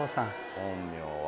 本名は。